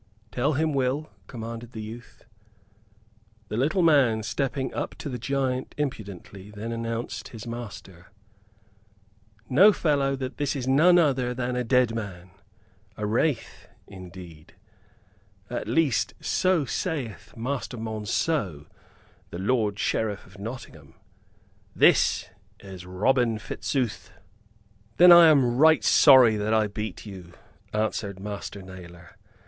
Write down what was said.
"Tell him, Will," commanded the youth. The little man, stepping up to the giant impudently, then announced his master. "Know, fellow, that this is none other than a dead man a wraith, indeed! At least, so saith Master Monceux, the lord Sheriff of Nottingham. This is Robin Fitzooth." "Then I am right sorry that I beat you," answered Master Nailor.